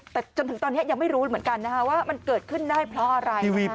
แต่จนถึงตอนนี้ยังไม่รู้เหมือนกันนะคะว่ามันเกิดขึ้นได้เพราะอะไร